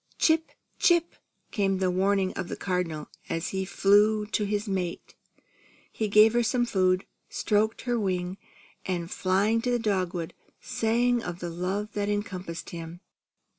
"Chip! Chip!" came the warning of the Cardinal, as he flew to his mate. He gave her some food, stroked her wing, and flying to the dogwood, sang of the love that encompassed him.